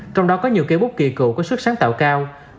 trong đó có nhiều cây bút kỳ cựu có sức sáng tạo cao